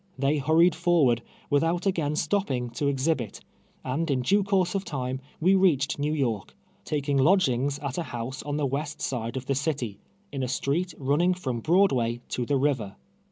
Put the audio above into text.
They hurried forward, without again stopping to ex hibit, and in duo course of time, we reached Xew York, taking lodgings at a house on the west side of the city, in a street running from Broadway to the river.